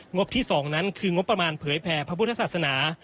บที่๒นั้นคืองบประมาณเผยแผ่พระพุทธศาสนา